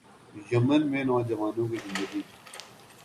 یمن میں نوجوانوں کی زندگی